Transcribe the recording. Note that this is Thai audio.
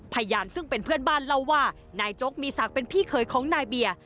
พยานซึ่งเป็นเพื่อนบ้านเล่าว่านายโจ๊กมีศักดิ์เป็นพี่เคยของนายเบียร์